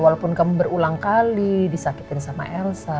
walaupun kamu berulang kali disakitin sama elsa